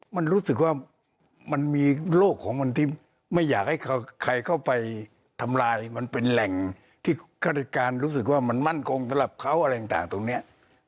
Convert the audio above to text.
มันรู้สึกว่ามันมีโลกของมันที่ไม่อยากให้ใครเข้าไปทำลายมันเป็นแหล่งที่ฆาติการรู้สึกว่ามันมั่นคงสำหรับเขาอะไรต่างตรงนี้